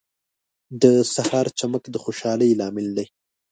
• د سهار چمک د خوشحالۍ لامل دی.